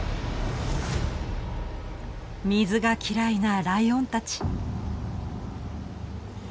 水が嫌いなライオンたち。